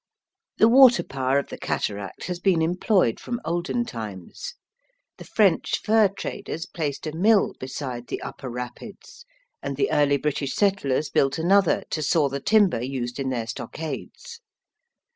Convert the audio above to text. The water power of the cataract has been employed from olden times. The French fur traders placed a mill beside the upper rapids, and the early British settlers built another to saw the timher used in their stockades.